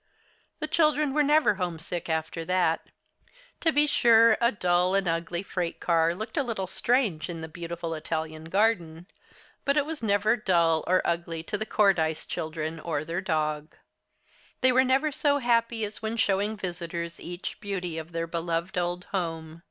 The children were never homesick after that. To be sure, a dull and ugly freight car looked a little strange in a beautiful Italian garden. But it was never dull or ugly to the Cordyce children or their dog. They never were so happy as when showing visitors each beauty of their beloved old home.